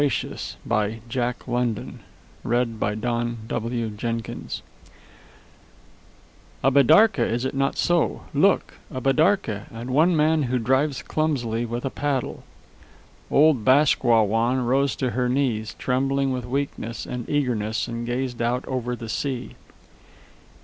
NAM BOK THE UNVERACIOUS "A Bidarka, is it not so! Look! a bidarka, and one man who drives clumsily with a paddle!" Old Bask Wah Wan rose to her knees, trembling with weakness and eagerness, and gazed out over the sea.